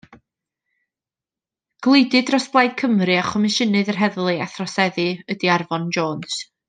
Gwleidydd dros Blaid Cymru a Chomisiynydd yr Heddlu a Throseddu ydy Arfon Jones.